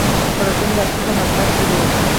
پروتون د اتوم په مرکز کې وي.